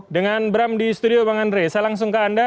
dengan bram di studio bang andre saya langsung ke anda